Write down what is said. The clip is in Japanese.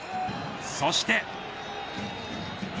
そして。